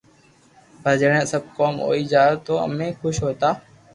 پسي جڻي سب ڪوم ھوئي جاتو تو امي خوݾ ھوتا